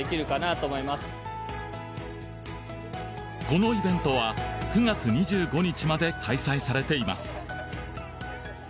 このイベントは９月２５日まで開催されています。